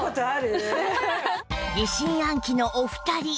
疑心暗鬼のお二人